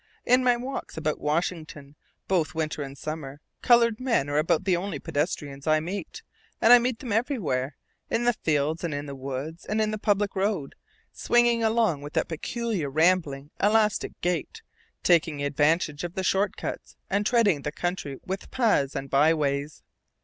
In my walks about Washington, both winter and summer, colored men are about the only pedestrians I meet; and I meet them everywhere, in the fields and in the woods and in the public road, swinging along with that peculiar, rambling, elastic gait, taking advantage of the short cuts and threading the country with paths and byways.